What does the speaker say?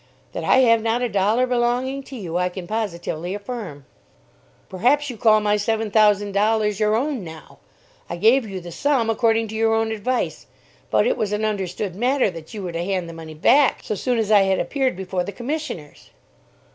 That I have not a dollar belonging to you, I can positively affirm." "Perhaps you call my seven thousand dollars your own now. I gave you the sum, according to your own advice; but it was an understood matter that you were to hand the money back so soon as I had appeared before the commissioners."